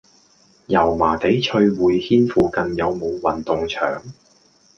油麻地翠匯軒附近有無運動場？